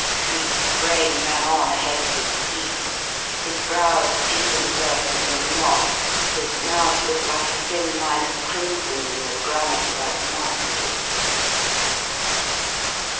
Cleek's brain ran on ahead of his feet, his brows drew themselves into a knot, his mouth was like a thin line of crimson in the granite like mask of his face.